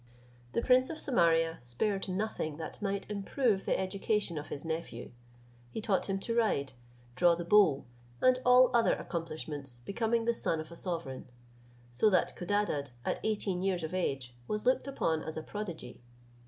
The prince of Samaria spared nothing that might improve the education of his nephew. He taught him to ride, draw the bow, and all other accomplishments becoming the son of a sovereign; so that Codadad, at eighteen years of age, was looked upon as a prodigy.